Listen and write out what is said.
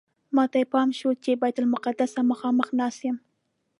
ماته یې پام شو چې بیت المقدس ته مخامخ ناست یم.